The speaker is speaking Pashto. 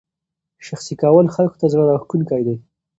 شخصي کول خلکو ته زړه راښکونکی دی.